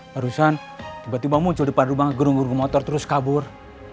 barusan tiba tiba muncul depan lubang gerung gerung motor terus kabur